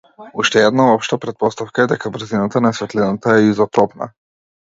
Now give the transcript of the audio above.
Уште една општа претпоставка е дека брзината на светлината е изотропна.